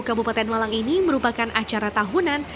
kabupaten malang ini merupakan acara tahunan